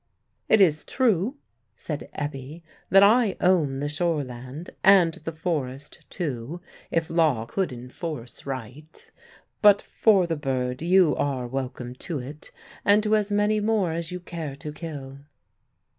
"It is true," said Ebbe, "that I own the shore land, and the forest, too, if law could enforce right. But for the bird you are welcome to it, and to as many more as you care to kill."